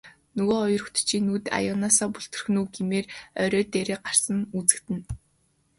Нөгөө хоёр хөтчийн нүд аяганаасаа бүлтрэх нь үү гэмээр орой дээрээ гарсан үзэгдэнэ.